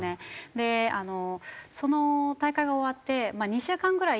でその大会が終わって２週間ぐらい